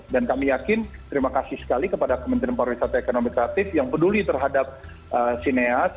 dan kami yakin terima kasih sekali kepada kementerian pariwisata ekonomi kreatif yang peduli terhadap sineas